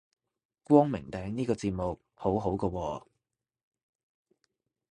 光明頂呢個節目好好個喎